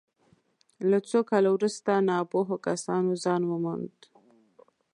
له څو کالو وروسته ناپوهو کسانو ځای وموند.